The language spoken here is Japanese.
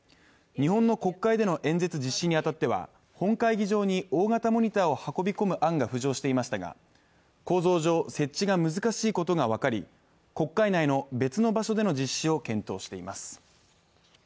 日本の国会での演説実施に当たっては本会議場に大型モニターを運び込む案が浮上していましたが構造上、設置が難しいことが分かり国会内の別の場所での実施を検討しています。